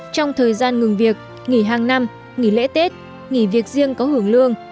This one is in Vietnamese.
trong thời gian ngừng việc nghỉ hàng năm nghỉ lễ tết nghỉ việc riêng có hưởng lương